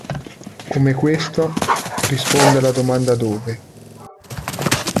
Come questo, risponde alla domanda "dove?